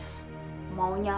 tahan dua kok lo